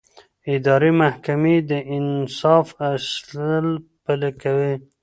اداري محکمې د انصاف اصل پلي کوي.